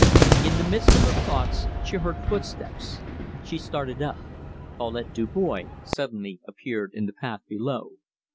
In the midst of her thoughts she heard footsteps. She started up. Paulette Dubois suddenly appeared in the path below.